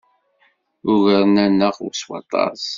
Ugaren-aneɣ s waṭas.